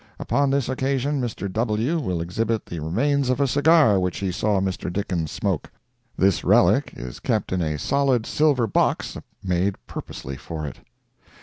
Upon this occasion Mr. W. will exhibit the remains of a cigar which he saw Mr. Dickens smoke. This Relic is kept in a solid silver box made purposely for it.